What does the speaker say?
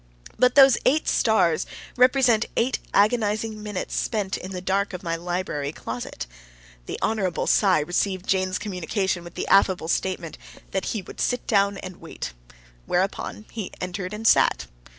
But those eight stars represent eight agonizing minutes spent in the dark of my library closet. The Hon. Cy received Jane's communication with the affable statement that he would sit down and wait. Whereupon he entered and sat.